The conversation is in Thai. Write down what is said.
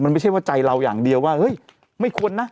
มันไม่ใช่ว่าใจเราอย่างเดียวว่าเฮ้ยไม่ควรนะ